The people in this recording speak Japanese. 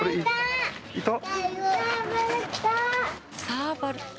サーバル。